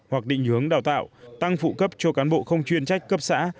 hoặc định hướng đào tạo tăng phụ cấp cho cán bộ không chuyên trách cấp xã